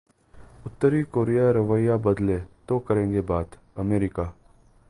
उत्तरी कोरिया रवैया बदले, तो करेंगे बात: अमेरिका